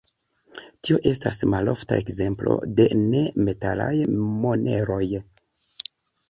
Tio estas malofta ekzemplo de ne-metalaj moneroj.